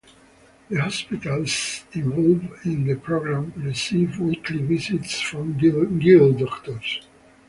The hospitals involved in the programme receive weekly visits from "Giggle Doctors".